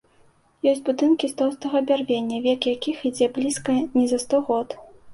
Ёсць будынкі з тоўстага бярвення, век якіх ідзе блізка не за сто год.